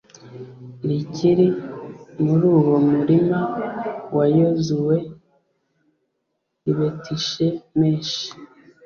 ricyiri muri uwo murima wa yozuwe i betishemeshi